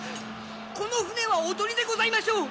この船はおとりでございましょう。